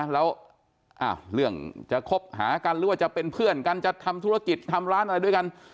แล้วเรื่องจะคบหากันหรือว่าจะเป็นเพื่อนกันจะทำธุรกิจทำร้านอะไรด้วยกัน